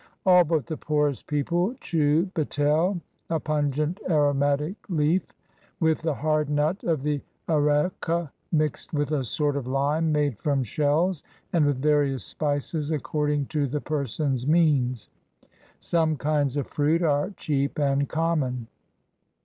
All but the poorest people chew betel (a pungent aromatic leaf), with the hard nut of the areca, mixed with a sort of Hme made from shells, and with various spices, according to the person's means. Some kinds of fruit are cheap and common.